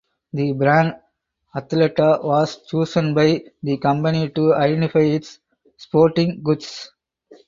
The brand "Athleta" was chosen by the company to identify its sporting goods.